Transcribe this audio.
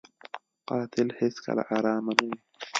قاتل هېڅکله ارامه نه وي